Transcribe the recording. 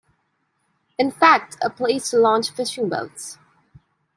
In fact a place to launch fishing boats.